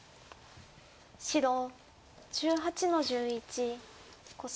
白１８の十一コスミ。